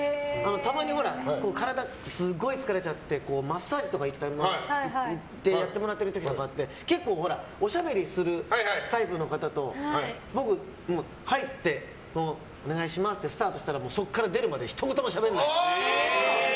たまに、体がすごい疲れちゃってマッサージとか行ってやってもらってる時って結構おしゃべりするタイプの方と僕は、入ってお願いしますってスタートしたらそこから出るまでひと言もしゃべらない。